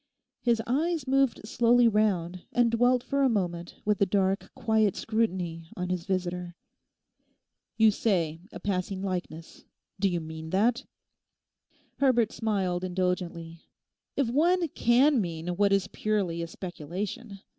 His eyes moved slowly round and dwelt for a moment with a dark, quiet scrutiny on his visitor. 'You say a passing likeness; do you mean that?' Herbert smiled indulgently. 'If one can mean what is purely a speculation.